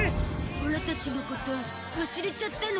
オラたちのこと忘れちゃったの？